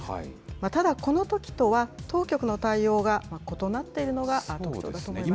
ただ、このときとは当局の対応が異なっているのがあることだと思います。